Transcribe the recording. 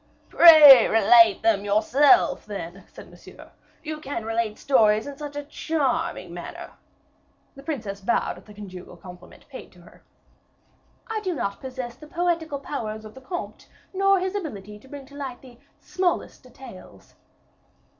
"Pray relate them yourself, then," said Monsieur, "you can relate stories in such a charming manner." The princess bowed at the conjugal compliment paid her. "I do not possess the poetical powers of the comte, nor his ability to bring to light the smallest details."